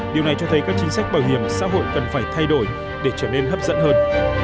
điều này cho thấy các chính sách bảo hiểm xã hội cần phải thay đổi để trở nên hấp dẫn hơn